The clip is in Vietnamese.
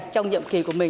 trong nhiệm vụ này